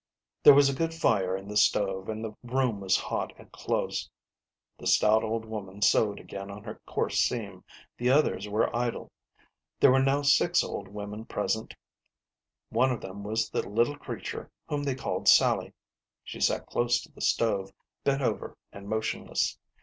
There was a good fire in the stove, and the room was hot and close. The stout old woman sewed again on her coarse seam, the others were idle. There were now six old women present ; one of them was the little creature whom they called Sally. She sat close to the stove, bent over and motionless.